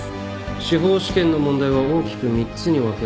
司法試験の問題は大きく３つに分けられる。